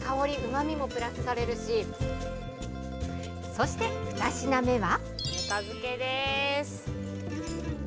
そして２品目は。